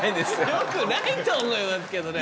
よくないと思いますけどね。